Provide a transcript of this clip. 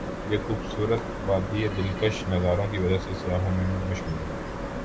یہ خو بصورت وادی ا دل کش نظاروں کی وجہ سے سیاحوں میں مشہور ہے ۔